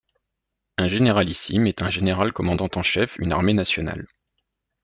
Un généralissime est un général commandant en chef une armée nationale.